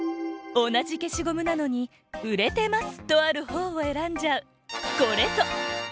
おなじ消しゴムなのに「売れてます」とあるほうをえらんじゃう。